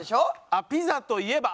あっピザといえば！